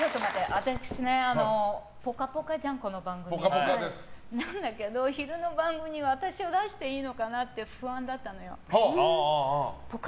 私ね、「ぽかぽか」じゃんこの番組なんだけど昼の番組に私を出していいのかなって不安だったのよ。